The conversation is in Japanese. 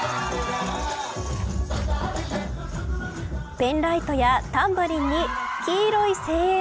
ペンライトやタンバリンに黄色い声援。